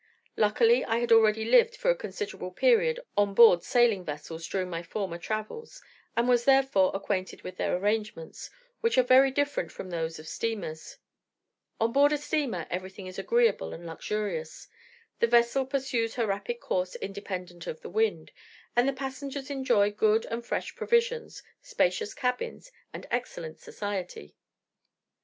Luckily I had already lived for a considerable period on board sailing vessels during my former travels, and was therefore acquainted with their arrangements, which are very different from those of steamers. On board a steamer everything is agreeable and luxurious; the vessel pursues her rapid course independent of the wind, and the passengers enjoy good and fresh provisions, spacious cabins, and excellent society.